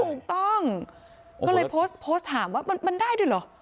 ถูกต้องก็เลยโพสต์โพสต์ถามว่ามันได้ด้วยเหรอ